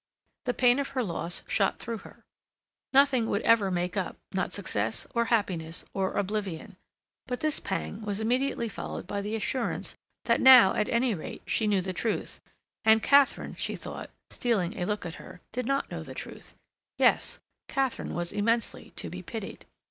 The pain of her loss shot through her. Nothing would ever make up—not success, or happiness, or oblivion. But this pang was immediately followed by the assurance that now, at any rate, she knew the truth; and Katharine, she thought, stealing a look at her, did not know the truth; yes, Katharine was immensely to be pitied.